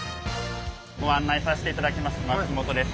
ご案内させていただきます松本です。